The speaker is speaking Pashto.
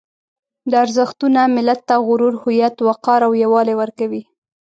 دا ارزښتونه ملت ته غرور، هویت، وقار او یووالی ورکوي.